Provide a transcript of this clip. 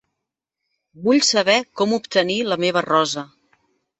Vull saber com obtenir la meva rosa.